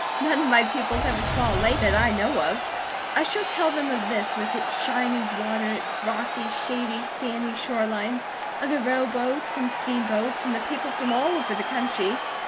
"None of my pupils ever saw a lake, that I know of. I shall tell them of this with its shining water, its rocky, shady, sandy shore lines; of the rowboats and steam boats, and the people from all over the country.